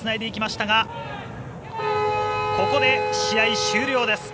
ここで試合終了です。